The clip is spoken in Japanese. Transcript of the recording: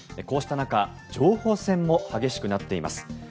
こうした中情報戦も激しくなっています。